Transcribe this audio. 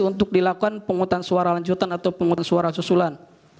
untuk dilakukan penghutang suara lanjutan atau penghutang suara susulan